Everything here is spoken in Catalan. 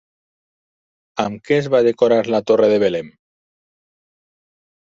Amb què es va decorar la Torre de Belém?